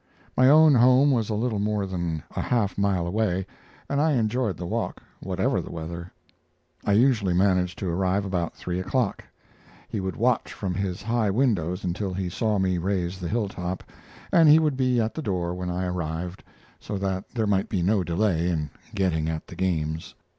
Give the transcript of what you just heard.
My own home was a little more than a half mile away, and I enjoyed the walk, whatever the weather. I usually managed to arrive about three o'clock. He would watch from his high windows until he saw me raise the hilltop, and he would be at the door when I arrived, so that there might be no delay in getting at the games.